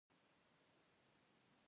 د خپلي مېني له چنارونو